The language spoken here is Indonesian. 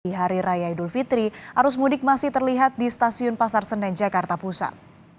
di hari raya idul fitri arus mudik masih terlihat di stasiun pasar senen jakarta pusat